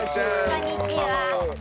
こんにちは。